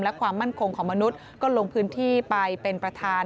และความมั่นคงของมนุษย์ก็ลงพื้นที่ไปเป็นประธาน